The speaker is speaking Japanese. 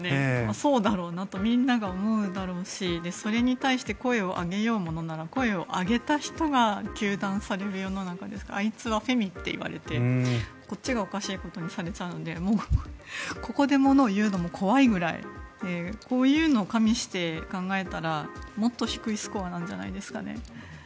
そうだろうなとみんなが思うだろうしそれに対して声を上げようものなら声を上げた人が糾弾される世の中ですからあいつはフェミって言われてこっちがおかしいことにされちゃうんでここでものを言うのも怖いぐらいこういうのを加味して考えたらもっと低いスコアなんじゃないですかね。